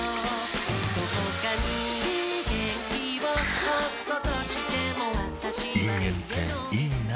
どこかに元気をおっことしてもあぁ人間っていいナ。